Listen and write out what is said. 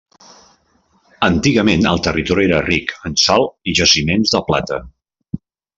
Antigament el territori era ric en sal i jaciments de plata.